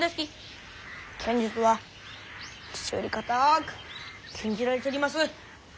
剣術は父よりかたく禁じられちょります。